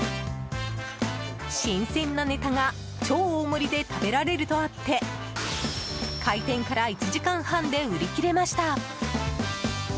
新鮮なネタが超大盛りで食べられるとあって開店から１時間半で売り切れました。